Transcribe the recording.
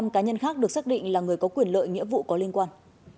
ba mươi năm cá nhân khác được xác định là người có quyền lợi nghĩa vụ có liên quan